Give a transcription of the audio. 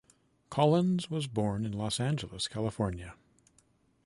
Collins was born in Los Angeles, California.